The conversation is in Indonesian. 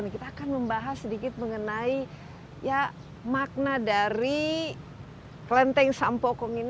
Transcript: kita akan membahas sedikit mengenai makna dari klenteng sampo pong ini